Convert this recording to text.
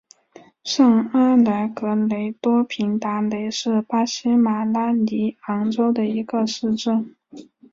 上阿莱格雷多平达雷是巴西马拉尼昂州的一个市镇。